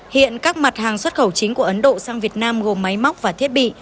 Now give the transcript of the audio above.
hiện các mặt hàng xuất khẩu chính của ấn độ sang việt nam gồm máy móc và thiết bị